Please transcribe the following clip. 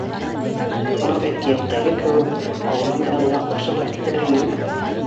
? Анау әкиәттәге кеүек, ауылым янына осор ҙа китер инем.